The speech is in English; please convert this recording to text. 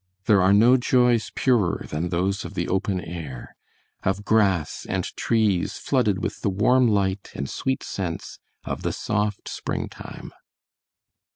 There are no joys purer than those of the open air; of grass and trees flooded with the warm light and sweet scents of the soft springtime.